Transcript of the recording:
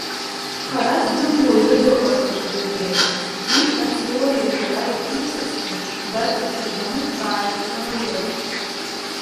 Хара здым уаҩы дыҟаӡам адунеиаҿы, уи атеориа иара иаԥиҵазшәа, даҵаҽырбаны ҿааиҭит амаиор.